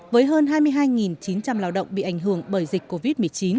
với hơn hai mươi hai chín trăm linh lao động bị ảnh hưởng bởi dịch covid một mươi chín